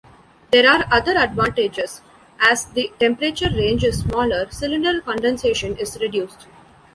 There are other advantages: as the temperature range is smaller, cylinder condensation is reduced.